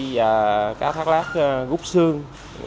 và cá thác lát gút xương